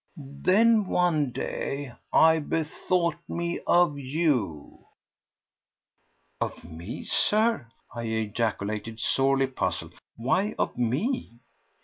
Then one day I bethought me of you—" "Of me, Sir?" I ejaculated, sorely puzzled. "Why of me?"